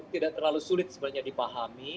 tidak terlalu sulit sebenarnya dipahami